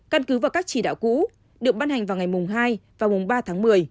căn cứ vào các trì đạo cũ được ban hành vào ngày hai và ba tháng một mươi